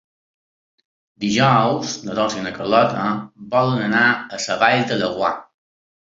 Dijous na Dolça i na Carlota volen anar a la Vall de Laguar.